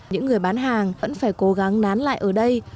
những người bán hàng vẫn phải cố gắng nán lại ở đây